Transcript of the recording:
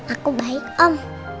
aku baik om